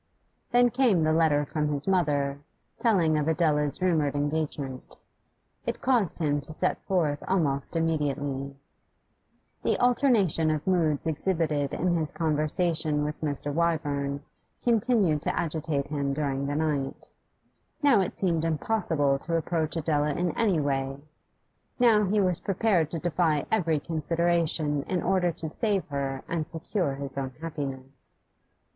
Then came the letter from his mother, telling of Adela's rumoured engagement. It caused him to set forth almost immediately. The alternation of moods exhibited in his conversation with Mr. Wyvern continued to agitate him during the night. Now it seemed impossible to approach Adela in any way; now he was prepared to defy every consideration in order to save her and secure his own happiness.